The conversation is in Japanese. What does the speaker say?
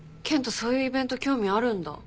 そういうイベント興味あるんだ。